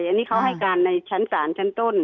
อันนี้เขาให้การในชั้นศาลชั้นต้น